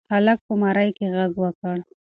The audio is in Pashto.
هلک په مرۍ کې غږ وکړ.